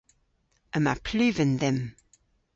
Yma pluven dhymm.